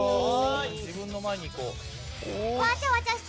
自分の前に行こう。